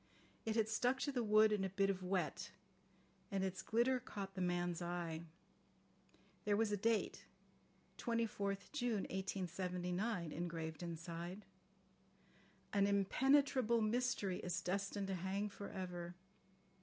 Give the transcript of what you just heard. It had stuck to the wood in a bit of wet, and its glitter caught the man's eye. There was a date, 24th June 1879, engraved inside. "An impenetrable mystery is destined to hang for ever.